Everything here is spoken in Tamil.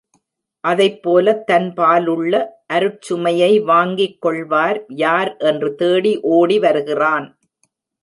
அதைப்போலத் தன்பாலுள்ள அருட்சுமையை வாங்கிக் கொள்வார் யார் என்று தேடி ஓடி வருகிறான்.